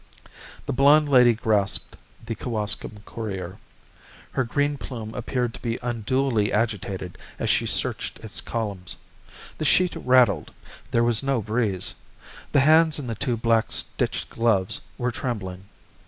The blonde lady grasped the Kewaskum Courier. Her green plume appeared to be unduly agitated as she searched its columns. The sheet rattled. There was no breeze. The hands in the too black stitched gloves were trembling.